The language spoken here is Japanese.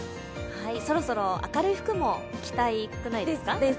そろそろ明るい服も着たくないですか？